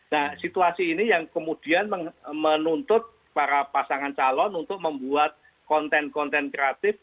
nah situasi ini yang kemudian menuntut para pasangan calon untuk membuat konten konten kreatif